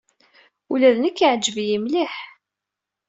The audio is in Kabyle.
Ula d nekk yeɛjeb-iyi mliḥ.